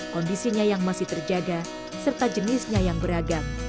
kondisinya yang masih terjaga serta jenisnya yang beragam